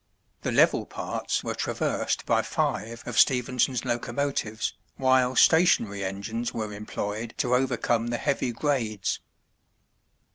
The level parts were traversed by five of Stephenson's locomotives, while stationary engines were employed to overcome the heavy grades.